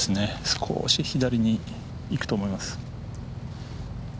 少し左に行くと思います。